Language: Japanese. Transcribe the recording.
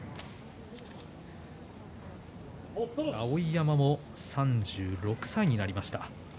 碧山も３６歳になりました。